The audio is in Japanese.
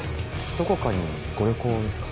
どこかにご旅行ですか